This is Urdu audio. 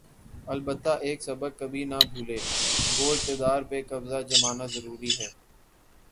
البتہ ایک سبق کبھی نہ بھولے‘ گو اقتدار پہ قبضہ جمانا ضروری ہے۔